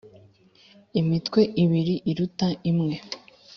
imitwe ibiri iruta imwe